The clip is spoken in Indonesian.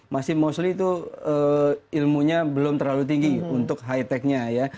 masih mostly itu ilmunya belum terlalu tinggi untuk high tech nya ya